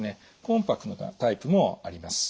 コンパクトなタイプもあります。